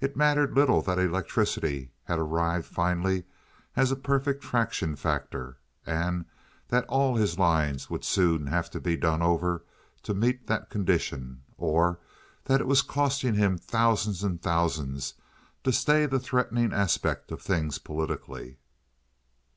It mattered little that electricity had arrived finally as a perfected traction factor, and that all his lines would soon have to be done over to meet that condition, or that it was costing him thousands and thousands to stay the threatening aspect of things politically.